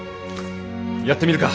やってみるか！